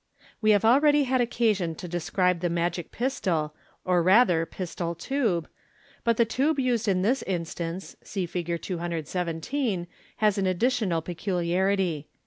We have already had occasion to describe the magic pistol, or rather pistol tube ; but the tube used in this instance {see Fig. 217) has an additional peculiarity.